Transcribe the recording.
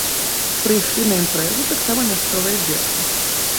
Прыйшлі на імпрэзу таксама мясцовыя дзеткі.